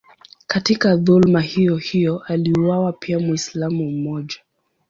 Katika dhuluma hiyohiyo aliuawa pia Mwislamu mmoja.